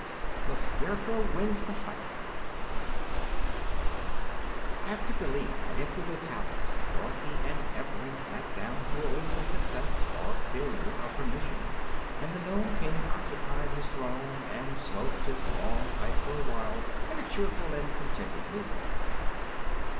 17. The Scarecrow Wins the Fight After Billina had entered the palace Dorothy and Evring sat down to await the success or failure of her mission, and the Nome King occupied his throne and smoked his long pipe for a while in a cheerful and contented mood.